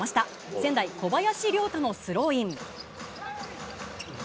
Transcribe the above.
仙台、小林りょうたのスローイン。